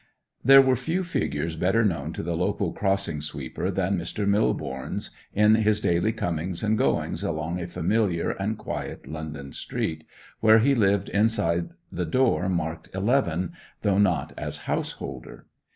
There were few figures better known to the local crossing sweeper than Mr. Millborne's, in his daily comings and goings along a familiar and quiet London street, where he lived inside the door marked eleven, though not as householder.